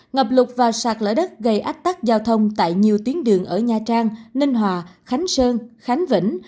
ngập lụt và sạt lở đất gây ách tắc giao thông tại nhiều tuyến đường ở nha trang ninh hòa khánh sơn khánh vĩnh